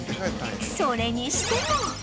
それにしても